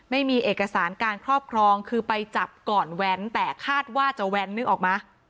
ไม่มีเอกสารการครอบครองคือไปจับก่อนแว้นแต่คาดว่าจะแว้นนึกออกมา